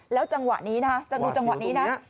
จังหวะนี้นะจะดูจังหวะนี้นะ